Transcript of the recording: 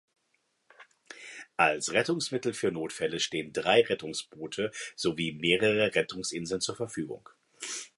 Als Rettungsmittel für Notfälle stehen drei Rettungsboote sowie mehrere Rettungsinseln zur Verfügung.